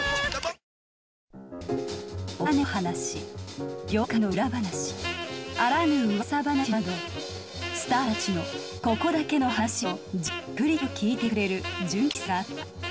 とある郊外にお金の話業界の裏話あらぬ噂話などスターたちのここだけの話をじっくりと聞いてくれる純喫茶があった。